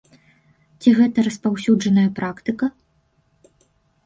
Ці гэта распаўсюджаная практыка?